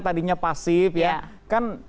tadinya pasif kan